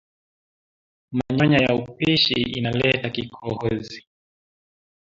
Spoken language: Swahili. Manyonya ya pushi inaletaka kikoozi